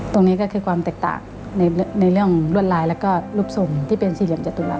ตรงนี้ก็คือความแตกต่างในเรื่องรวดลายแล้วก็รูปทรงที่เป็นสี่เหลี่ยมจตุรัส